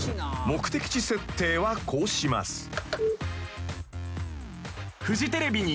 ［目的地設定はこうします］